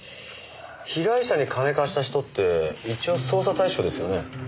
被害者に金貸した人って一応捜査対象ですよね？